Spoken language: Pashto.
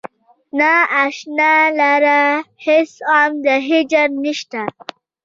نا اشنا لره هیڅ غم د هجر نشته.